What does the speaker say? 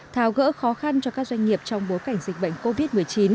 tháo gỡ khó khăn cho các doanh nghiệp trong bối cảnh dịch bệnh covid một mươi chín